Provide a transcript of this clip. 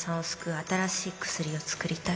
新しい薬をつくりたい